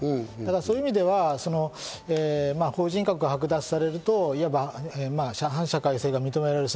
そういう意味では法人格が剥奪されると、いわば反社会性が認められる。